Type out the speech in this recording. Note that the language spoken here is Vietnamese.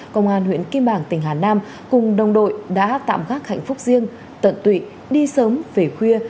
công an huyện kim bảng tỉnh hà nam cùng đồng đội đã tạm gác hạnh phúc riêng tận tụy đi sớm về khuya